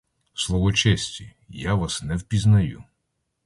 Слово честі, я вас не впізнаю.